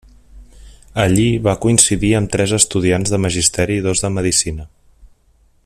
Allí va coincidir amb tres estudiants de Magisteri i dos de Medicina.